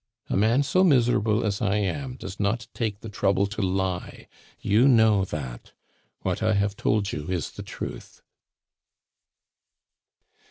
A man so miserable as I am does not take the trouble to lie you know that. What I have told you is the truth."